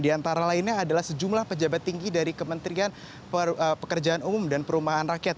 di antara lainnya adalah sejumlah pejabat tinggi dari kementerian pekerjaan umum dan perumahan rakyat